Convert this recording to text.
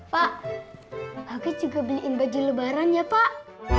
pak haki juga beliin baju lebaran ya pak